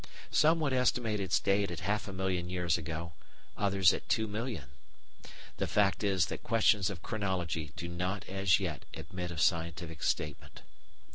Some would estimate its date at half a million years ago, others at two millions! The fact is that questions of chronology do not as yet admit of scientific statement.